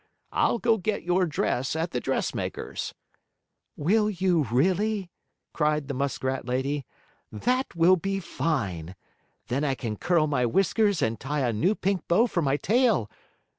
I'll go get your dress at the dressmaker's." "Will you, really?" cried the muskrat lady. "That will be fine! Then I can curl my whiskers and tie a new pink bow for my tail.